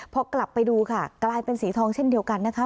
พอกลับไปดูค่ะกลายเป็นสีทองเช่นเดียวกันนะคะ